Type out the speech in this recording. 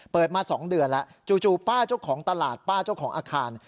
มา๒เดือนแล้วจู่ป้าเจ้าของตลาดป้าเจ้าของอาคาร